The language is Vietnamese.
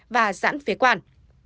và giãn phế quản